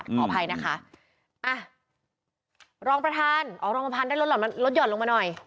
ขออภัยนะคะอ่ะรองประธานอ๋อรองประธานได้ลดหย่อนลงมาหน่อย